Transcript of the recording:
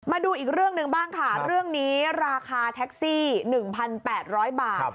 มาดูอีกเรื่องหนึ่งบ้างค่ะเรื่องนี้ราคาแท็กซี่๑๘๐๐บาท